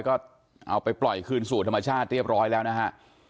ก็เอาไปปล่อยคืนสู่ธรรมชาติเรียบร้อยแล้วนะฮะ